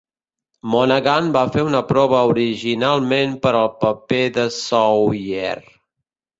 Monaghan va fer una prova originalment per al paper de Sawyer.